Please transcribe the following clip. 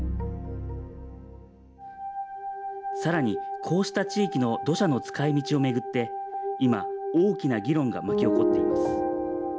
さらに、こうした地域の土砂の使いみちを巡って、今、大きな議論が巻き起こっています。